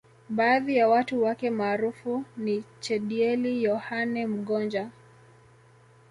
Baadhi ya watu wake maarufu niChedieli Yohane Mgonja